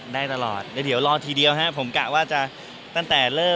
เก็บเตรียมไว้ให้